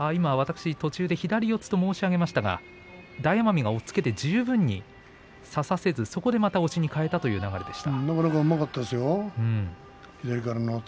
途中で左四つと申し上げましたけども大奄美、押っつけて差させず押しに変えたという流れでした。